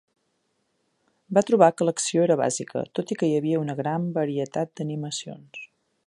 Va trobar que l’acció era bàsica, tot i que hi havia una gran varietat d’animacions.